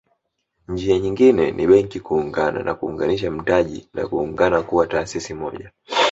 Njia nyingine ni Benki kuungana na kuunganisha mtaji na kuungana kuwa taasisi moja